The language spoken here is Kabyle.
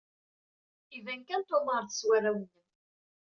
Iban kan tumared s warraw-nnem.